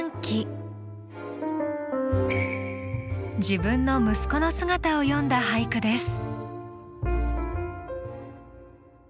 自分の息子の姿を詠んだ俳句です。